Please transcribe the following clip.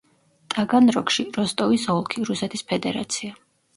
ტაგანროგში, როსტოვის ოლქი, რუსეთის ფედერაცია.